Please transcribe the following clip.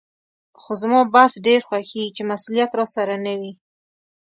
خو زما بس ډېر خوښېږي چې مسولیت راسره نه وي.